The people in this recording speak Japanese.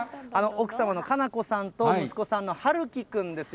奥様の佳菜子さんと、息子さんの遥樹くんです。